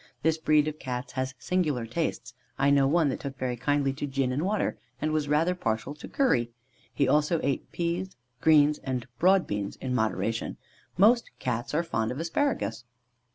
This breed of Cats has singular tastes; I knew one that took very kindly to gin and water, and was rather partial to curry. He also ate peas, greens, and broad beans (in moderation). Most Cats are fond of asparagus.